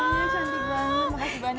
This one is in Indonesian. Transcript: makasih banyak tante